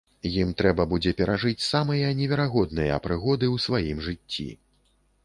Ім трэба будзе перажыць самыя неверагодныя прыгоды ў сваім жыцці.